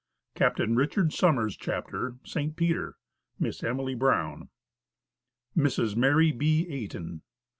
CAPTAIN RICHARD SOMERS CHAPTER St. Peter MISS EMILY BROWN Mrs. Mary B. Aiton.